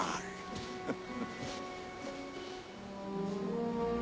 フフフ。